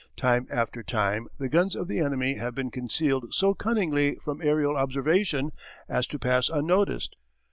Time after time the guns of the enemy have been concealed so cunningly from aerial observation as to pass unnoticed.